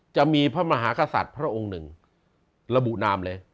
จะมีพระมหากษัตริย์พระองค์หนึ่งระบุนามเลย